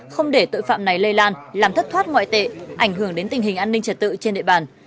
không để tội phạm này lây lan làm thất thoát ngoại tệ ảnh hưởng đến tình hình an ninh trật tự trên địa bàn